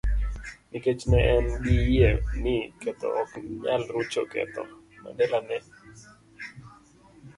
Nikech ne en gi yie ni ketho ok nyal rucho ketho, Mandela ne